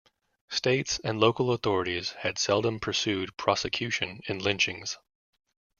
States and local authorities had seldom pursued prosecution in lynchings.